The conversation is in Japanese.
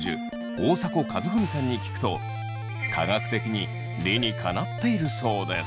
大迫一史さんに聞くと科学的に理にかなっているそうです。